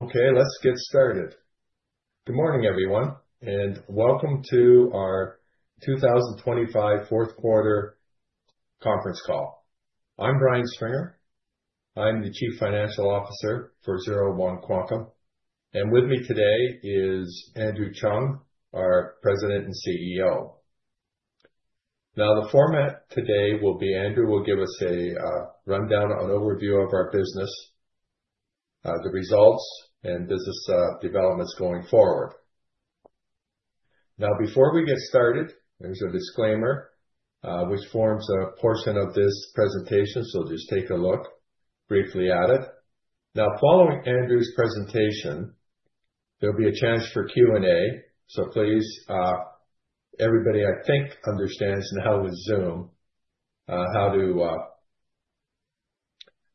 Okay, let's get started. Good morning, everyone, and welcome to our 2025 fourth quarter conference call. I'm Brian Stringer. I'm the Chief Financial Officer for 01 Quantum, and with me today is Andrew Cheung, our President and CEO. Now, the format today will be Andrew will give us a rundown, an overview of our business, the results, and business developments going forward. Now, before we get started, there's a disclaimer, which forms a portion of this presentation, so just take a look briefly at it. Now, following Andrew's presentation, there'll be a chance for Q&A. So please, everybody, I think understands now with Zoom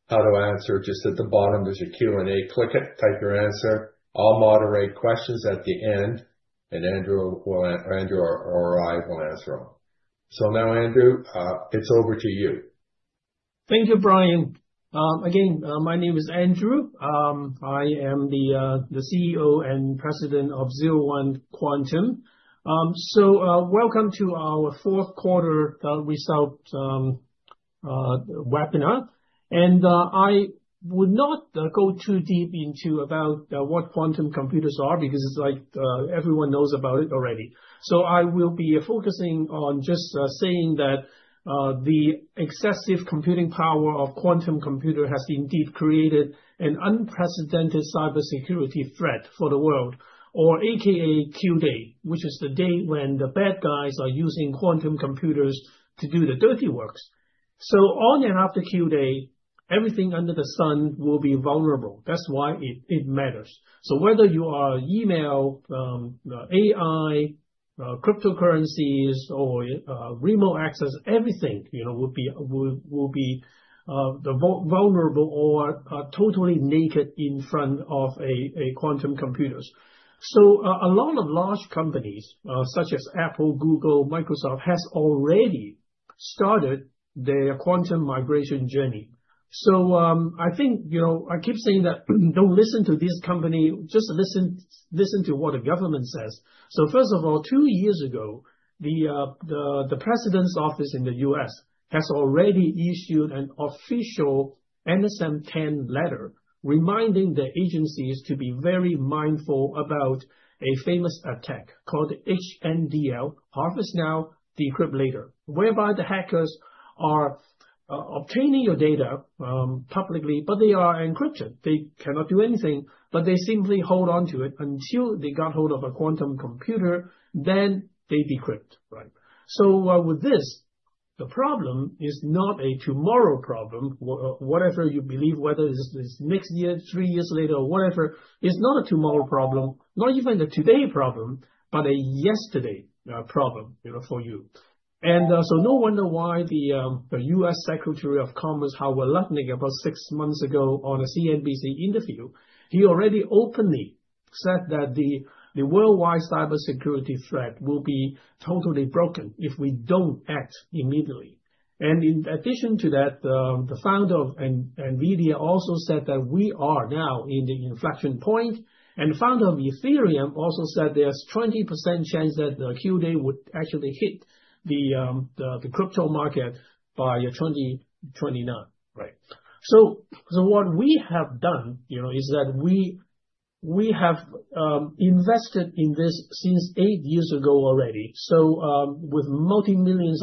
how to answer. Just at the bottom, there's a Q&A. Click it, type your answer. I'll moderate questions at the end, and Andrew or I will answer them. Now, Andrew, it's over to you. Thank you, Brian. Again, my name is Andrew. I am the CEO and President of 01 Quantum. So, welcome to our fourth quarter result webinar. I would not go too deep into about what quantum computers are, because it's like everyone knows about it already. So I will be focusing on just saying that the excessive computing power of quantum computer has indeed created an unprecedented cybersecurity threat for the world, or aka Q-Day, which is the day when the bad guys are using quantum computers to do the dirty works. So on and after Q-Day, everything under the sun will be vulnerable. That's why it matters. So whether you are email, AI, cryptocurrencies, or remote access, everything, you know, will be, will, will be vulnerable or totally naked in front of a quantum computers. So a lot of large companies, such as Apple, Google, Microsoft, has already started their quantum migration journey. So, I think, you know, I keep saying that, don't listen to this company, just listen, listen to what the government says. So first of all, two years ago, the President's Office in the U.S. has already issued an official NSM-10 letter, reminding the agencies to be very mindful about a famous attack called HNDL, Harvest Now, Decrypt Later, whereby the hackers are obtaining your data, publicly, but they are encrypted. They cannot do anything, but they simply hold on to it until they got hold of a quantum computer, then they decrypt, right? So, with this, the problem is not a tomorrow problem, whatever you believe, whether it's, it's next year, three years later, or whatever, it's not a tomorrow problem, not even a today problem, but a yesterday problem, you know, for you. And, so no wonder why the, the U.S. Secretary of Commerce, Gina Raimondo, about six months ago on a CNBC interview, he already openly said that the, the worldwide cybersecurity threat will be totally broken if we don't act immediately. In addition to that, the founder of NVIDIA also said that we are now in the inflection point, and the founder of Ethereum also said there's 20% chance that the Q-Day would actually hit the crypto market by 2029, right? So what we have done, you know, is that we have invested in this since eight years ago already. So with multi-millions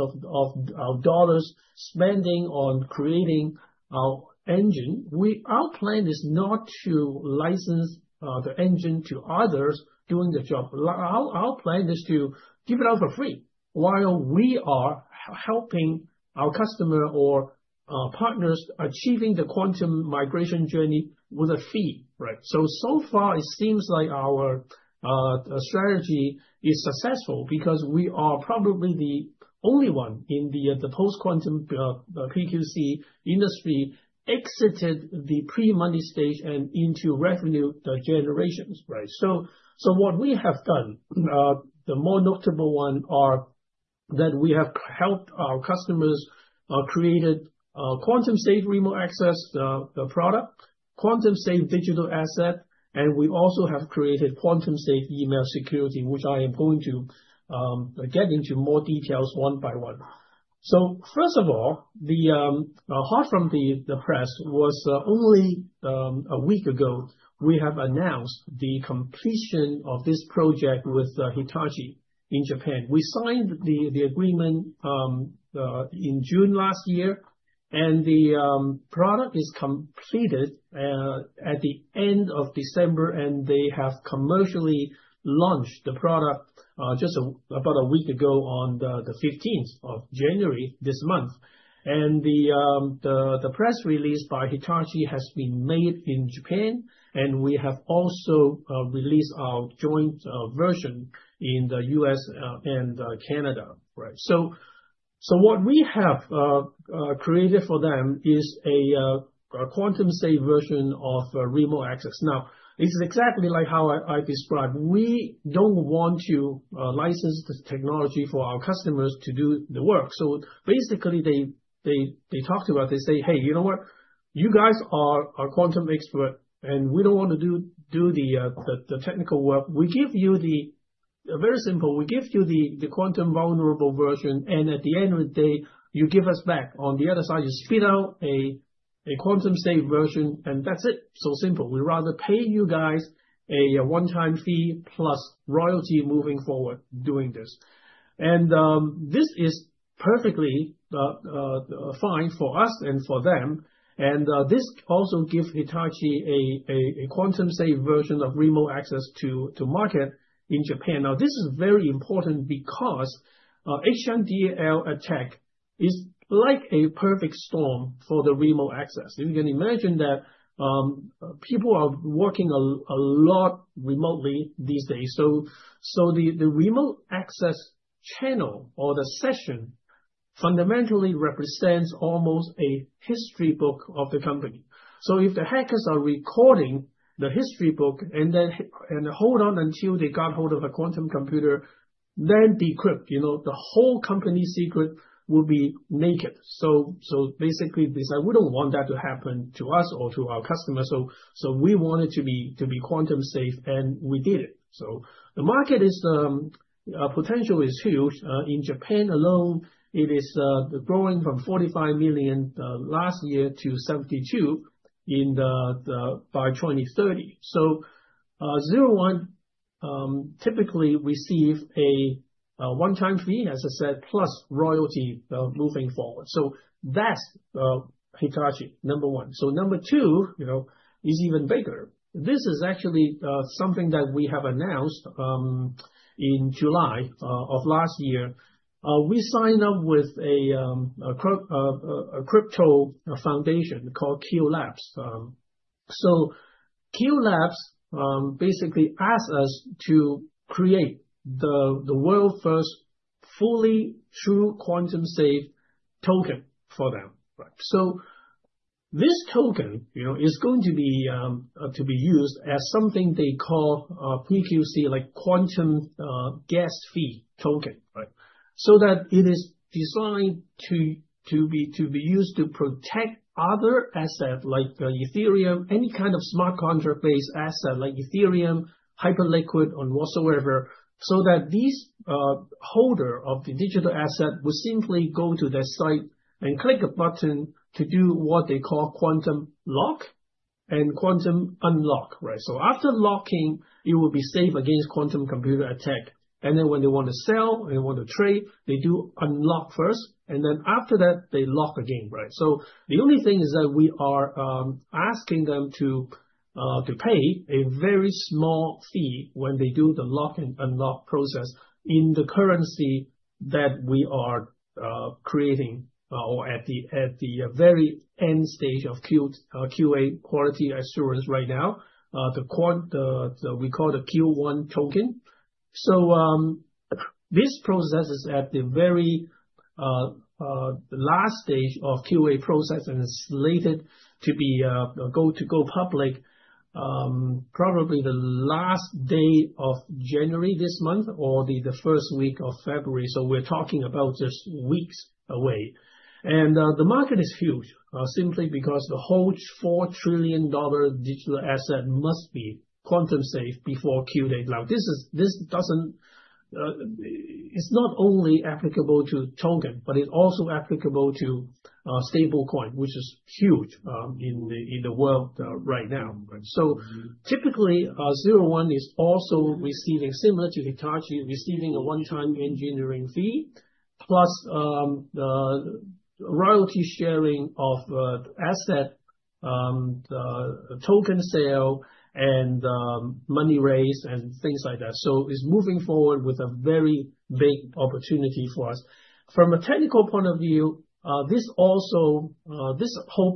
dollar spending on creating our engine, our plan is not to license the engine to others doing the job. Our plan is to give it out for free while we are helping our customer or partners achieving the quantum migration journey with a fee, right? So, so far, it seems like our strategy is successful because we are probably the only one in the post-quantum PQC industry, exited the pre-money stage and into revenue generations, right? So, what we have done, the more notable one are that we have helped our customers created a quantum-safe remote access product, quantum-safe digital asset, and we also have created quantum-safe email security, which I am going to get into more details one by one. So first of all, apart from the press was only a week ago, we have announced the completion of this project with Hitachi in Japan. We signed the agreement in June last year, and the product is completed at the end of December, and they have commercially launched the product just about a week ago on the 15 of January this month. And the press release by Hitachi has been made in Japan, and we have also released our joint version in the U.S. and Canada, right? So what we have created for them is a quantum safe version of remote access. Now, this is exactly like how I described. We don't want to license the technology for our customers to do the work. So basically, they talked about it. They say: "Hey, you know what? You guys are a quantum expert, and we don't want to do the technical work. Very simple, we give you the quantum vulnerable version, and at the end of the day, you give us back. On the other side, you spit out a quantum-safe version, and that's it. So simple. We'd rather pay you guys a one-time fee plus royalty moving forward, doing this. This is perfectly fine for us and for them, and this also gives Hitachi a quantum-safe version of remote access to market in Japan. Now, this is very important because HNDL attack is like a perfect storm for the remote access. You can imagine that people are working a lot remotely these days, so the remote access channel or the session fundamentally represents almost a history book of the company. So if the hackers are recording the history book and then hold on until they got hold of a quantum computer, then decrypt, you know, the whole company's secret will be naked. So basically, they say, we don't want that to happen to us or to our customers, so we want it to be quantum safe, and we did it. So the market potential is huge. In Japan alone, it is growing from $45 million last year to $72 million by 2030. So 01 typically receive a one-time fee, as I said, plus royalty moving forward. So that's Hitachi, number one. So number two, you know, is even bigger. This is actually something that we have announced in July of last year. We signed up with a crypto foundation called qLABS. So qLABS basically asked us to create the world's first fully true quantum safe token for them, right? So this token, you know, is going to be to be used as something they call QQC, like quantum gas fee token, right? So that it is designed to be used to protect other assets, like Ethereum, any kind of smart contract-based asset, like Ethereum, Hyperliquid, or whatsoever. So that these, holder of the digital asset will simply go to their site and click a button to do what they call quantum lock and quantum unlock, right? So after locking, it will be safe against quantum computer attack, and then when they want to sell, they want to trade, they do unlock first, and then after that, they lock again, right? So the only thing is that we are asking them to pay a very small fee when they do the lock and unlock process in the currency that we are creating or at the very end stage of QA, quality assurance right now, the qONE, the, we call the qONE token. So, this process is at the very last stage of QA process, and it's slated to go public, probably the last day of January this month or the first week of February. So we're talking about just weeks away. And the market is huge simply because the whole $4 trillion digital asset must be quantum safe before Q-Day. Now, this is, this doesn't... It's not only applicable to token, but it's also applicable to stablecoin, which is huge in the world right now, right? So typically zero one is also receiving, similar to Hitachi, receiving a one-time engineering fee, plus the royalty sharing of asset the token sale and money raised and things like that. So it's moving forward with a very big opportunity for us. From a technical point of view, this whole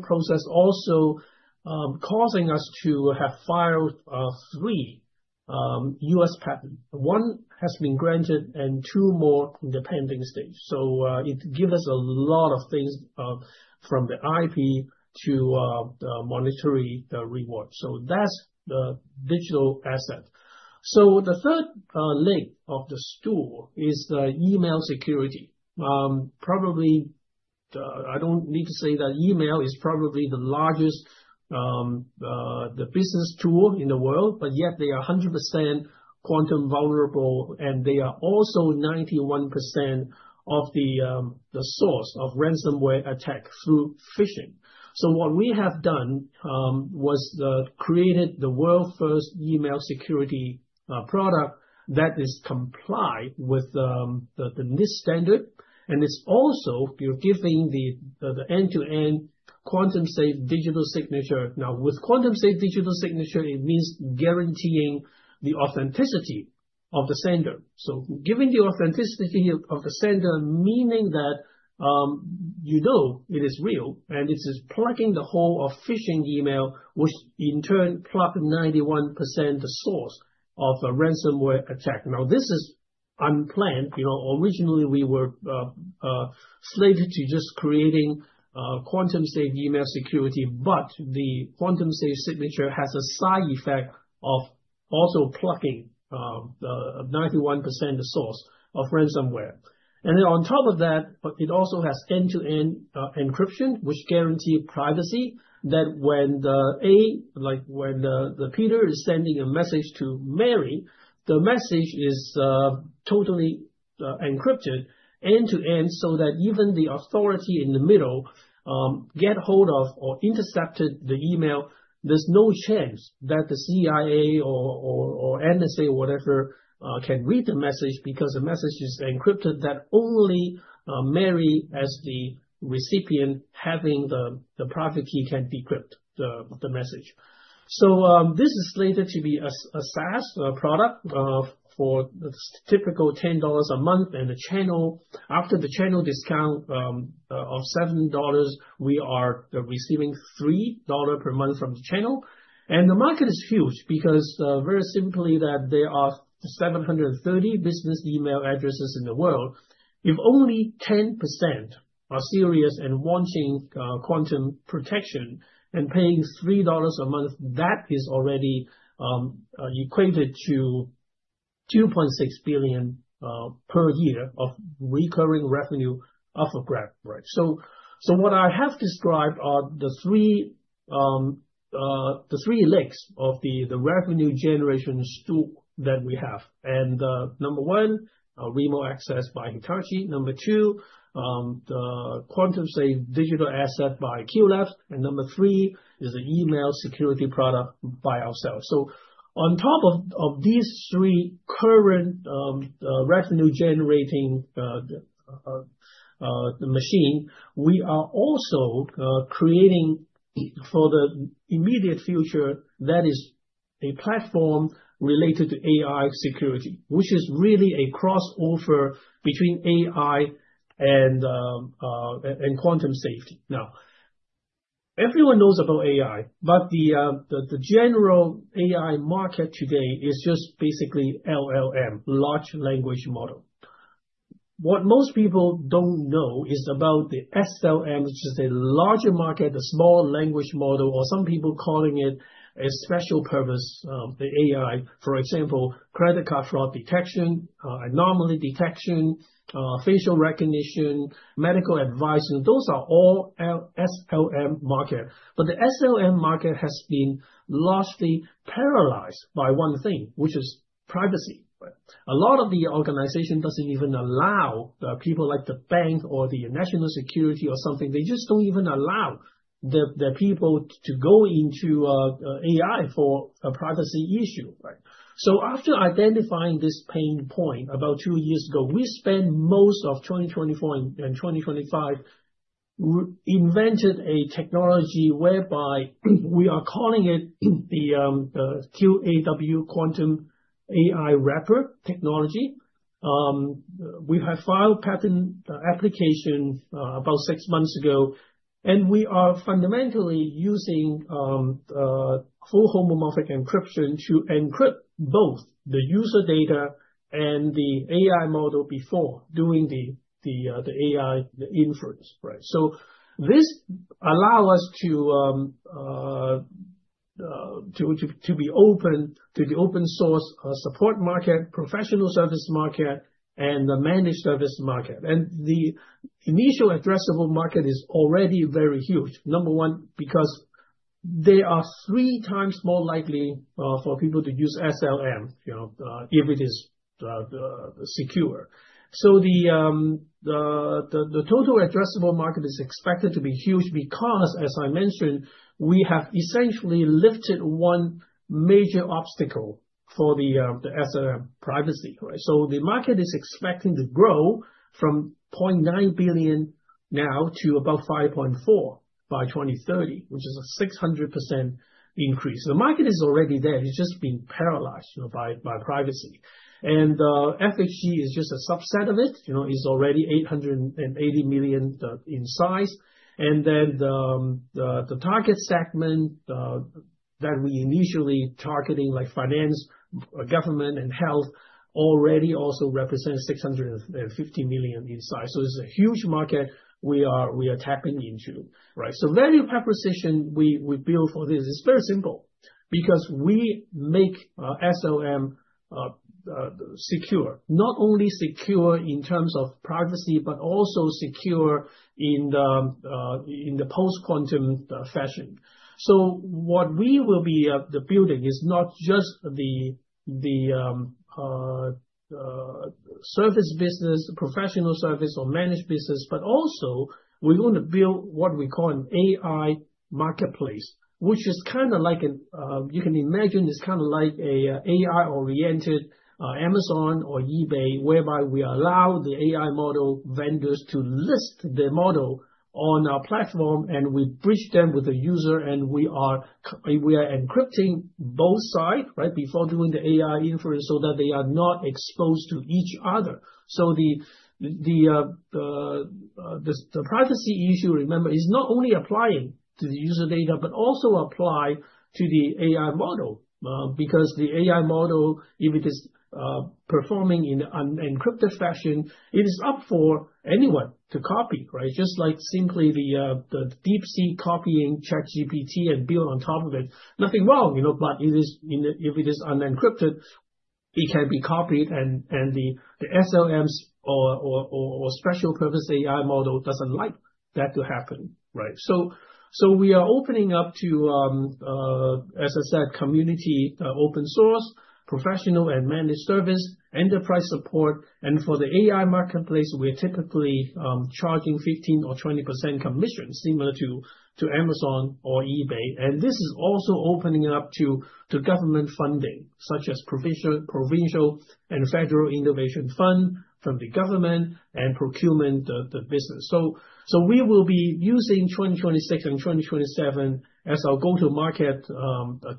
process also causing us to have filed three U.S. patents. One has been granted and two more in the pending stage. So, it give us a lot of things from the IP to the monetary reward. So that's the digital asset. So the third leg of the stool is the email security. Probably, I don't need to say that email is probably the largest business tool in the world, but yet they are 100% quantum vulnerable, and they are also 91% of the source of ransomware attack through phishing. So what we have done was created the world's first email security product that is comply with the NIST standard, and it's also giving the end-to-end quantum safe digital signature. Now, with quantum safe digital signature, it means guaranteeing the authenticity of the sender. So giving the authenticity of the sender, meaning that, you know it is real, and this is plugging the hole of phishing email, which in turn plug 91% the source of a ransomware attack. Now, this is unplanned. You know, originally we were slated to just creating quantum safe email security, but the quantum safe signature has a side effect of also plugging the 91% source of ransomware. And then on top of that, it also has end-to-end encryption, which guarantee privacy, that when the, like, when the, the Peter is sending a message to Mary, the message is totally encrypted end-to-end, so that even the authority in the middle get hold of or intercepted the email, there's no chance that the CIA or, or, or NSA or whatever can read the message, because the message is encrypted, that only Mary, as the recipient, having the, the private key, can decrypt the, the message. So, this is slated to be a SaaS product for the typical $10 a month. And the channel, after the channel discount of $7, we are receiving $3 per month from the channel. The market is huge because, very simply, that there are 730 million business email addresses in the world. If only 10% are serious and wanting quantum protection and paying $3 a month, that is already equated to $2.6 billion per year of recurring revenue off the graph, right? So, what I have described are the three legs of the revenue generation stool that we have. Number one, remote access by Hitachi. Number two, the quantum-safe digital asset by qLABS. Number three is an email security product by ourselves. So on top of these three current revenue generating the machine, we are also creating for the immediate future, that is a platform related to AI security, which is really a crossover between AI and quantum safety. Now, everyone knows about AI, but the general AI market today is just basically LLM, large language model. What most people don't know is about the SLM, which is a larger market, a small language model, or some people calling it a special purpose the AI. For example, credit card fraud detection, anomaly detection, facial recognition, medical advice, and those are all SLM market. But the SLM market has been largely paralyzed by one thing, which is privacy. A lot of the organization doesn't even allow people like the bank or the national security or something. They just don't even allow the people to go into AI for a privacy issue, right? So after identifying this pain point about two years ago, we spent most of 2024 and 2025, invented a technology whereby we are calling it the QAW quantum AI wrapper technology. We have filed patent applications about six months ago, and we are fundamentally using to be open to the open source support market, professional service market, and the managed service market. The initial addressable market is already very huge. Number one, because they are three times more likely for people to use SLM, you know, if it is secure. So the total addressable market is expected to be huge because, as I mentioned, we have essentially lifted one major obstacle for the SLM privacy, right? So the market is expecting to grow from $0.9 billion now to about $5.4 billion by 2030, which is a 600% increase. The market is already there, it's just been paralyzed, you know, by privacy. And FHE is just a subset of it, you know, it's already $880 million in size. And then the target segment that we initially targeting, like finance, government, and health, already also represents $650 million in size. So it's a huge market we are tapping into, right? So value proposition we build for this is very simple, because we make SLM secure. Not only secure in terms of privacy, but also secure in the post-quantum fashion. So what we will be building is not just the service business, professional service, or managed business, but also we're going to build what we call an AI marketplace, which is kind of like an... You can imagine it's kind of like a AI-oriented Amazon or eBay, whereby we allow the AI model vendors to list their model on our platform, and we bridge them with the user, and we are encrypting both sides, right, before doing the AI inference, so that they are not exposed to each other. So the privacy issue, remember, is not only applying to the user data, but also apply to the AI model. Because the AI model, if it is performing in an encrypted fashion, it is up for anyone to copy, right? Just like simply the DeepSeek copying ChatGPT and build on top of it. Nothing wrong, you know, but it is, you know, if it is unencrypted, we-... It can be copied, and the SLMs or special purpose AI model doesn't like that to happen, right? So we are opening up to, as I said, community, open source, professional and managed service, enterprise support. And for the AI marketplace, we're typically charging 15% or 20% commission, similar to Amazon or eBay. And this is also opening it up to government funding, such as provincial and federal innovation fund from the government and procurement the business. So we will be using 2026 and 2027 as our go-to-market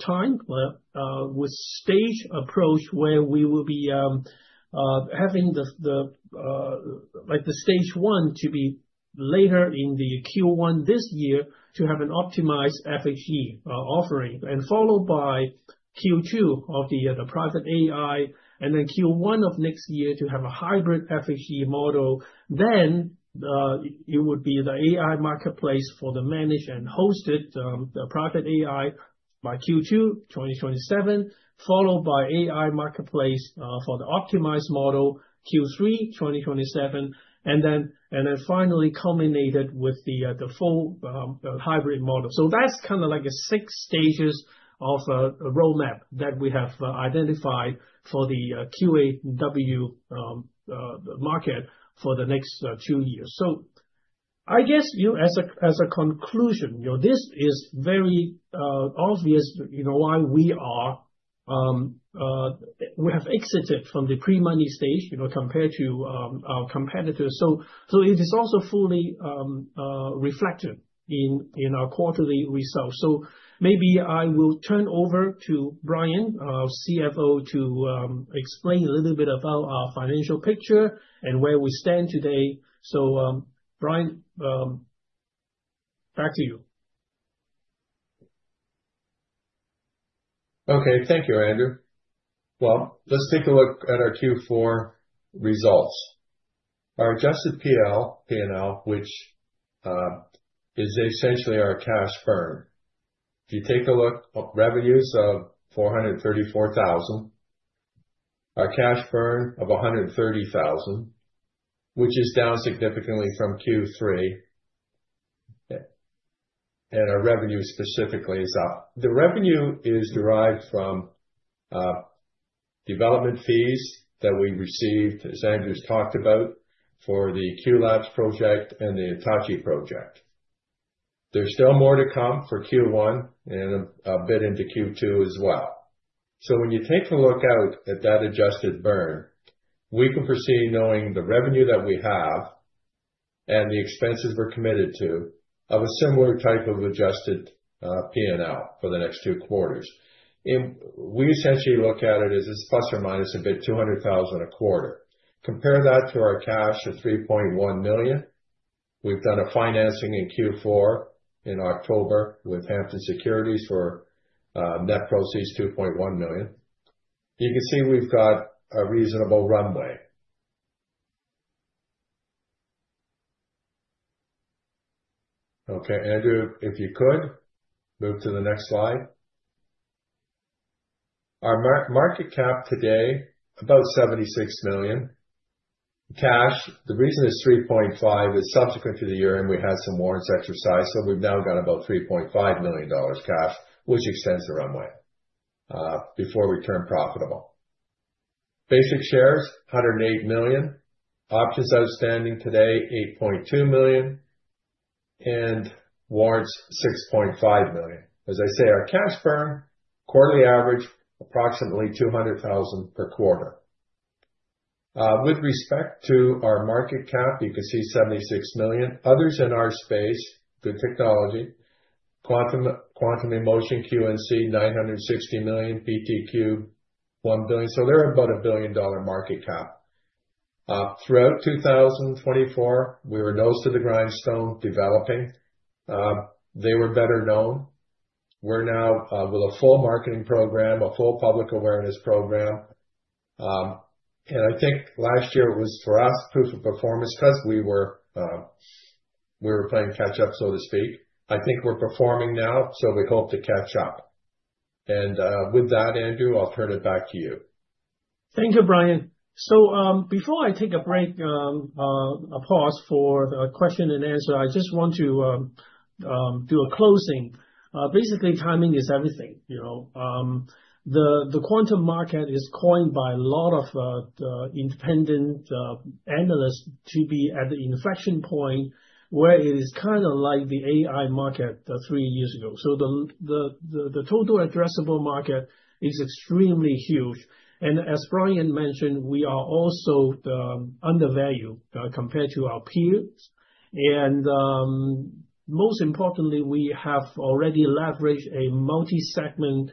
time with stage approach, where we will be having the, like, the stage one to be later in the Q1 this year, to have an optimized FHE offering, and followed by Q2 of the private AI, and then Q1 of next year to have a hybrid FHE model. Then it would be the AI marketplace for the managed and hosted the private AI by Q2 2027, followed by AI marketplace for the optimized model, Q3 2027, and then finally culminated with the full hybrid model. So that's kind of like a six stages of a roadmap that we have identified for the QAW market for the next two years. So I guess as a conclusion, you know, this is very obvious, you know, why we have exited from the pre-money stage, you know, compared to our competitors. So it is also fully reflected in our quarterly results. So maybe I will turn over to Brian, our CFO, to explain a little bit about our financial picture and where we stand today. So, Brian, back to you. Okay. Thank you, Andrew. Well, let's take a look at our Q4 results. Our adjusted PL, P&L, which is essentially our cash burn. If you take a look, revenues of 434,000, our cash burn of 130,000, which is down significantly from Q3, and our revenue specifically is up. The revenue is derived from development fees that we received, as Andrew's talked about, for the qLABS project and the Hitachi project. There's still more to come for Q1 and a bit into Q2 as well. So when you take a look out at that adjusted burn, we can proceed knowing the revenue that we have and the expenses we're committed to, of a similar type of adjusted P&L for the next two quarters. We essentially look at it as it's ± a bit, 200,000 a quarter. Compare that to our cash of 3.1 million. We've done a financing in Q4, in October, with Hampton Securities for net proceeds 2.1 million. You can see we've got a reasonable runway. Okay, Andrew, if you could, move to the next slide. Our market cap today, about 76 million. Cash, the reason it's 3.5, is subsequent to the year-end, we had some warrants exercised, so we've now got about 3.5 million dollars cash, which extends the runway before we turn profitable. Basic shares, 108 million. Options outstanding today, 8.2 million, and warrants, 6.5 million. As I say, our cash burn, quarterly average, approximately 200,000 per quarter. With respect to our market cap, you can see $76 million. Others in our space, good technology, Quantum, Quantinuum, QNC, $960 million, BTQ, $1 billion. So they're about a billion-dollar market cap. Throughout 2024, we were nose to the grindstone developing. They were better known. We're now with a full marketing program, a full public awareness program, and I think last year was, for us, proof of performance because we were, we were playing catch up, so to speak. I think we're performing now, so we hope to catch up. And with that, Andrew, I'll turn it back to you. Thank you, Brian. So, before I take a break, a pause for the question and answer, I just want to do a closing. Basically, timing is everything. You know, the quantum market is coined by a lot of independent analysts to be at the inflection point, where it is kind of like the AI market three years ago. So the total addressable market is extremely huge. And as Brian mentioned, we are also undervalued compared to our peers. And most importantly, we have already leveraged a multi-segment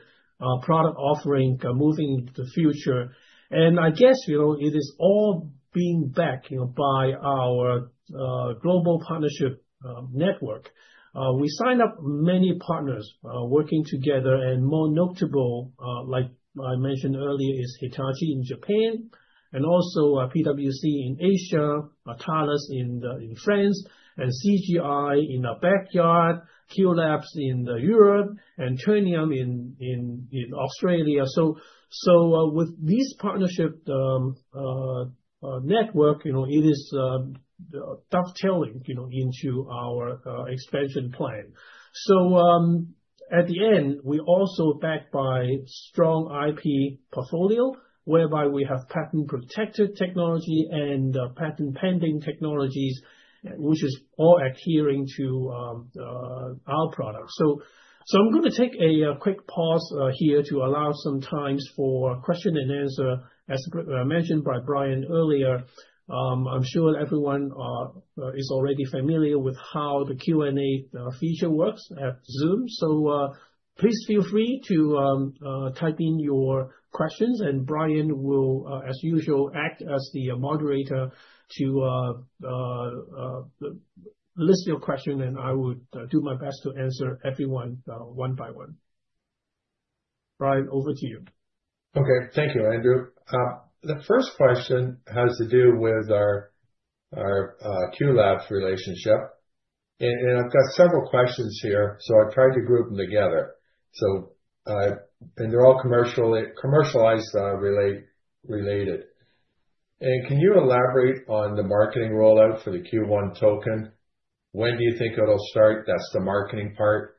product offering moving into the future. And I guess, you know, it is all being backed, you know, by our global partnership network. We signed up many partners working together, and more notable, like I mentioned earlier, is Hitachi in Japan, and also, PwC in Asia, Thales in France, and CGI in our backyard, qLABS in Europe, and Tritium in Australia. So, with this partnership network, you know, it is dovetailing, you know, into our expansion plan. So, at the end, we're also backed by strong IP portfolio, whereby we have patent-protected technology and patent pending technologies, which is all adhering to our products. So, I'm gonna take a quick pause here to allow some times for question and answer. As mentioned by Brian earlier, I'm sure everyone is already familiar with how the Q&A feature works at Zoom. Please feel free to type in your questions, and Brian will as usual act as the list your question, and I would do my best to answer everyone one by one. Brian, over to you. Okay. Thank you, Andrew. The first question has to do with our qLABS relationship, and I've got several questions here, so I tried to group them together. They're all commercialized, related. Can you elaborate on the marketing rollout for the qONE token? When do you think it'll start? That's the marketing part.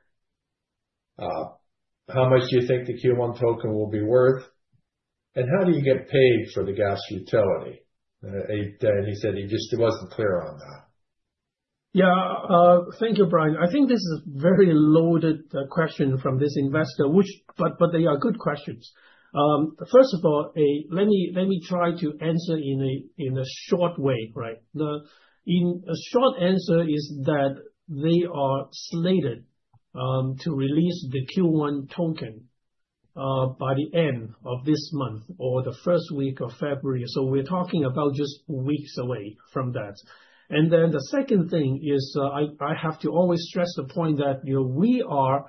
How much do you think the qONE token will be worth? And how do you get paid for the gas utility? He said he just wasn't clear on that. Yeah. Thank you, Brian. I think this is a very loaded question from this investor, but they are good questions. First of all, let me try to answer in a short way, right? The short answer is that they are slated to release the qONE token by the end of this month or the first week of February. So we're talking about just weeks away from that. And then the second thing is, I have to always stress the point that, you know, we are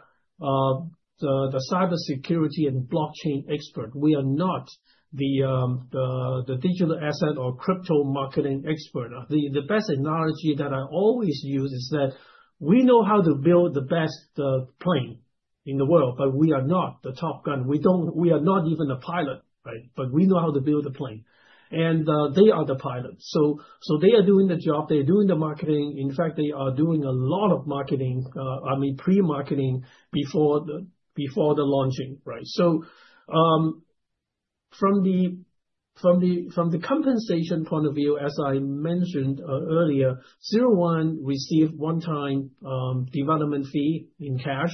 the cybersecurity and blockchain expert. We are not the digital asset or crypto marketing expert. The best analogy that I always use is that we know how to build the best plane in the world, but we are not the top gun. We don't, we are not even a pilot, right? But we know how to build a plane. And they are the pilots. So they are doing the job, they are doing the marketing. In fact, they are doing a lot of marketing, I mean, pre-marketing before the launching, right? So from the compensation point of view, as I mentioned earlier, 01 received one-time development fee in cash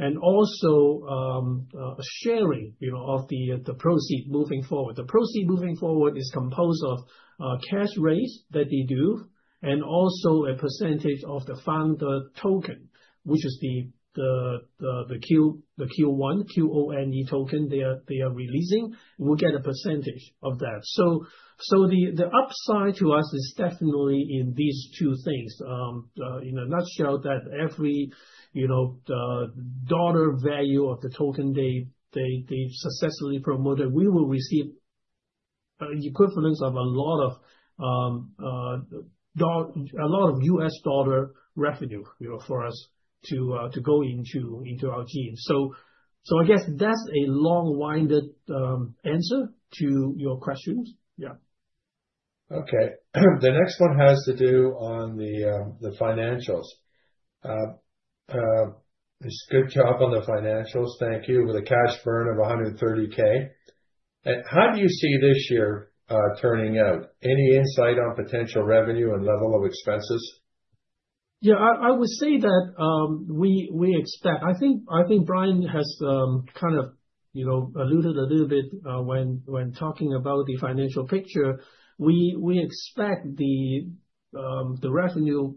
and also a sharing, you know, of the proceeds moving forward. The proceeds moving forward is composed of cash raise that they do, and also a percentage of the founder token, which is the qONE token they are releasing. We'll get a percentage of that. So the upside to us is definitely in these two things. In a nutshell, that every, you know, dollar value of the token they successfully promoted, we will receive equivalence of a lot of U.S. dollar revenue, you know, for us to go into our team. I guess that's a long-winded answer to your questions. Yeah. Okay. The next one has to do on the financials. It's good job on the financials, thank you, with a cash burn of 130,000. And how do you see this year turning out? Any insight on potential revenue and level of expenses? Yeah, I would say that we expect. I think Brian has kind of, you know, alluded a little bit when talking about the financial picture. We expect the revenue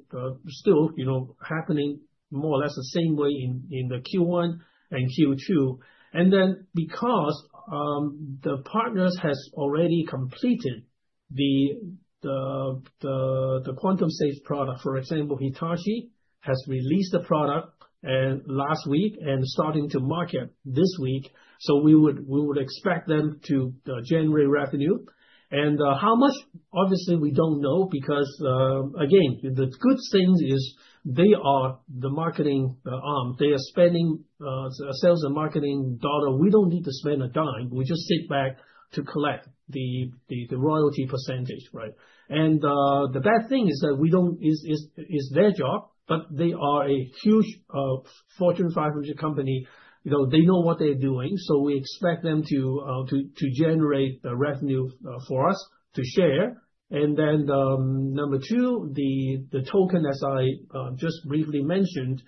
still, you know, happening more or less the same way in the Q1 and Q2. And then because the partners has already completed the quantum safe product, for example, Hitachi has released the product last week and starting to market this week, so we would expect them to generate revenue. And how much? Obviously, we don't know, because again, the good things is they are the marketing arm. They are spending sales and marketing dollar. We don't need to spend a dime. We just sit back to collect the royalty percentage, right? And, the bad thing is that we don't... It's their job, but they are a huge, Fortune 500 company. You know, they know what they're doing, so we expect them to generate the revenue for us to share. And then, number two, the token, as I just briefly mentioned,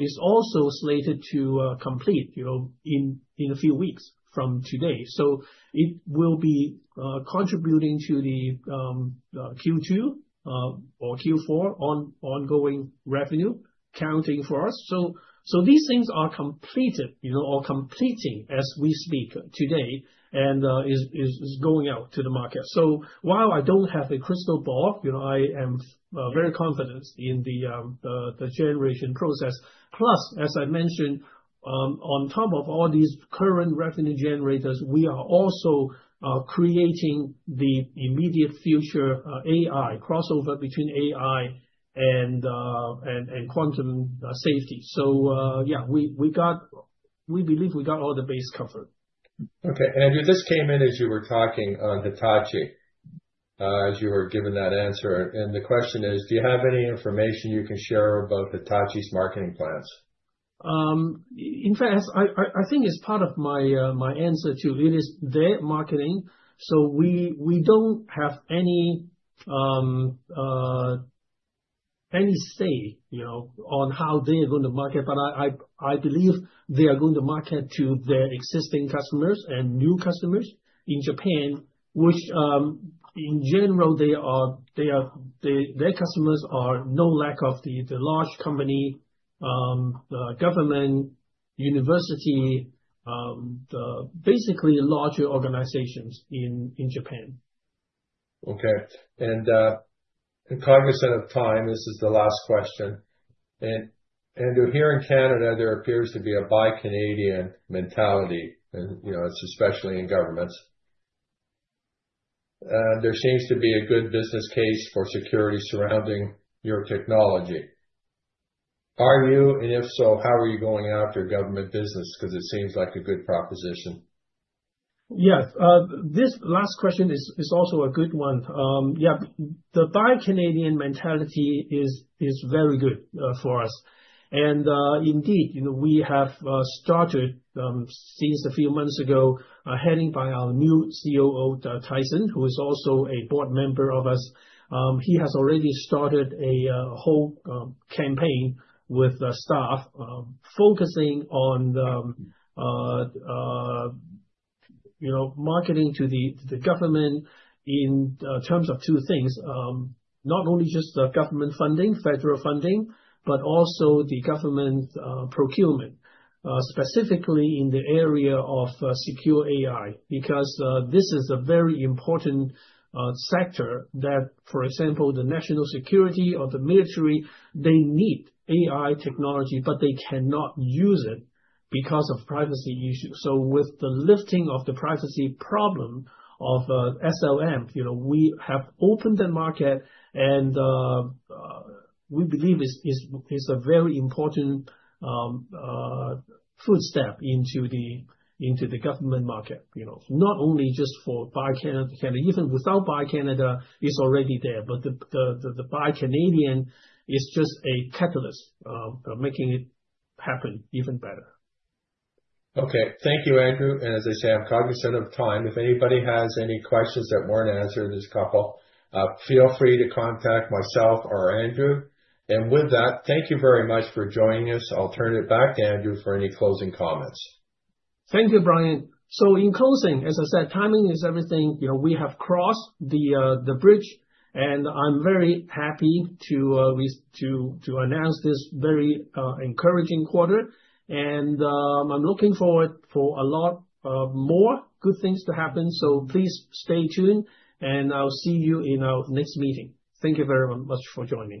is also slated to complete, you know, in a few weeks from today. So it will be contributing to the Q2 or Q4 ongoing revenue counting for us. So these things are completed, you know, or completing as we speak today and is going out to the market. So while I don't have a crystal ball, you know, I am very confident in the generation process. Plus, as I mentioned, on top of all these current revenue generators, we are also creating the immediate future AI crossover between AI and quantum safety. So, yeah, we got-- we believe we got all the base covered. Okay. This came in as you were talking on Hitachi, as you were giving that answer. The question is: Do you have any information you can share about Hitachi's marketing plans? In fact, I think it's part of my answer to it, is their marketing, so we don't have any say, you know, on how they are going to market, but I believe they are going to market to their existing customers and new customers in Japan, which, in general, they are their customers are no lack of the large company, the government, university, the basically larger organizations in Japan.... Okay, and cognizant of time, this is the last question. Here in Canada, there appears to be a buy Canadian mentality, and, you know, it's especially in governments. There seems to be a good business case for security surrounding your technology. Are you, and if so, how are you going after government business? Because it seems like a good proposition. Yes. This last question is also a good one. Yeah, the Buy Canadian mentality is very good for us. And, indeed, you know, we have started since a few months ago, headed by our new COO, Tyson, who is also a board member of us. He has already started a whole campaign with the staff, focusing on the, you know, marketing to the government in terms of two things: not only just the government funding, federal funding, but also the government procurement, specifically in the area of secure AI. Because this is a very important sector that, for example, the national security or the military, they need AI technology, but they cannot use it because of privacy issues. So with the lifting of the privacy problem of SLM, you know, we have opened the market, and we believe it's a very important footstep into the government market, you know. Not only just for Buy Canada. Canada, even without Buy Canada, it's already there, but the Buy Canadian is just a catalyst for making it happen even better. Okay. Thank you, Andrew. And as I say, I'm cognizant of time. If anybody has any questions that weren't answered in this couple, feel free to contact myself or Andrew. And with that, thank you very much for joining us. I'll turn it back to Andrew for any closing comments. Thank you, Brian. So in closing, as I said, timing is everything. You know, we have crossed the the bridge, and I'm very happy to to announce this very encouraging quarter. And, I'm looking forward for a lot more good things to happen. So please stay tuned, and I'll see you in our next meeting. Thank you very much for joining.